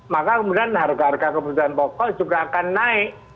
maka kemudian harga harga kebutuhan pokok juga akan naik